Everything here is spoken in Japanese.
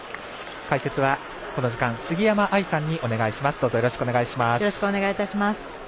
解説はこの時間、杉山愛さんにお願いします。